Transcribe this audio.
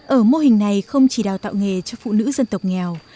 ở mô hình này không chỉ đào tạo nghề cho phụ nữ dân tộc nghèo